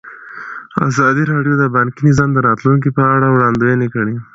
ازادي راډیو د بانکي نظام د راتلونکې په اړه وړاندوینې کړې.